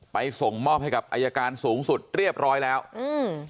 ส่งมอบให้กับอายการสูงสุดเรียบร้อยแล้วอืม